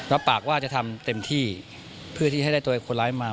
รับปากว่าจะทำเต็มที่เพื่อที่ให้ได้ตัวคนร้ายมา